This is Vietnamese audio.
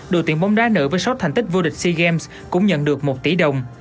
đội tiện bóng đá nữ với sót thành tích vô địch sea games cũng nhận được một tí đồng